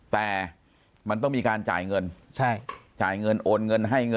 แต่มันต้องมีการจ่ายเงินใช่จ่ายเงินโอนเงินให้เงิน